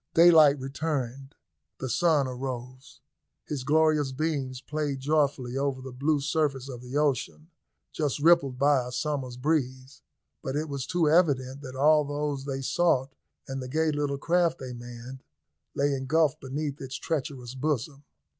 Daylight returned; the sun arose; his glorious beams played joyfully over the blue surface of the ocean just rippled by a summer's breeze, but it was too evident that all those they sought and the gay little craft they manned lay engulfed beneath its treacherous bosom.